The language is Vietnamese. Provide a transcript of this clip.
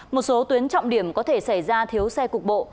một số tuyến trọng điểm có thể xảy ra thiếu xe cục bộ